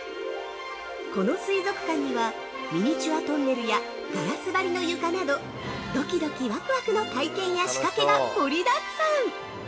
◆この水族館には、ミニチュアトンネルやガラス張りの床などドキドキワクワクの体験や仕掛けが盛りだくさん！